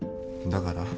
だから？